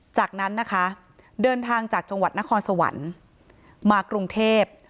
จากนั้นนะคะเดินทางจากจังหวัดนครสวรรค์มากรุงเทพ